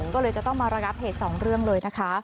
ก็เลยจะต้องมาระงับเหตุสองเรื่องเลยนะคะ